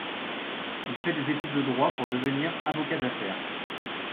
Il fait des études de droit pour devenir avocat d'affaires.